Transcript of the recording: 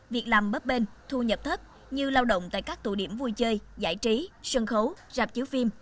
việc làm bấp bên thu nhập thấp như lao động tại các tụ điểm vui chơi giải trí sân khấu rạp chiếu phim